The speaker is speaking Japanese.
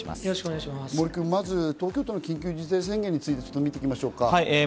まず東京都の緊急事態宣言について見ていきましょう。